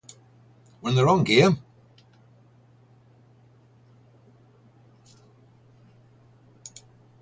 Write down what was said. We're in the wrong game!